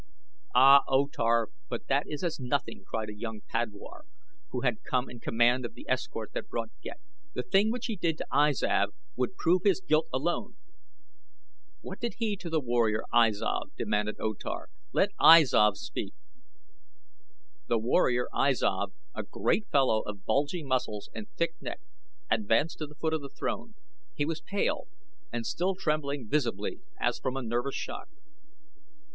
"Ah, O Tar, but that is as nothing!" cried a young padwar who had come in command of the escort that brought Ghek. "The thing which he did to I Zav, here, would prove his guilt alone." "What did he to the warrior I Zav?" demanded O Tar. "Let I Zav speak!" The warrior I Zav, a great fellow of bulging muscles and thick neck, advanced to the foot of the throne. He was pale and still trembling visibly as from a nervous shock.